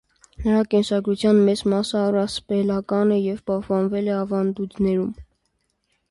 Նրա կենսագրության մեծ մասը առասպելական է և պահպանվել է ավանդություններում։